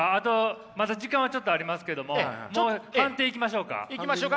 まだ時間はちょっとありますけどももう判定いきましょうか。